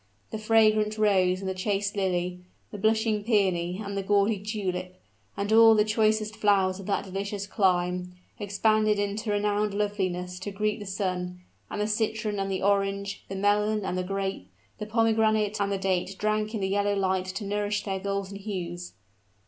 The fragrant rose and the chaste lily, the blushing peony and the gaudy tulip, and all the choicest flowers of that delicious clime, expanded into renewed loveliness to greet the sun: and the citron and the orange, the melon and the grape, the pomegranate and the date drank in the yellow light to nourish their golden hues.